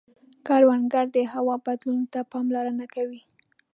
کروندګر د هوا بدلون ته پاملرنه کوي